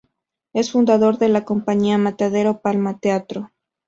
Es fundador de la Compañía Matadero Palma Teatro.